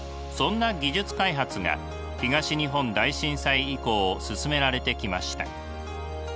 そんな技術開発が東日本大震災以降進められてきました。